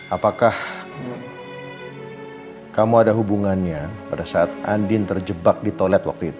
apakah kamu ada hubungannya pada saat andin terjebak di toilet waktu itu